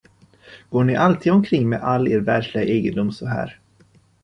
Går ni alltid omkring med all er världsliga egendom så här?